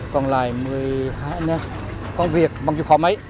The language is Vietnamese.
còn lại một mươi hai con việc bằng chú khóa máy